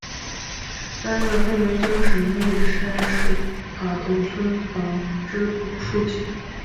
担任黑龙江省密山市塔头村党支部书记。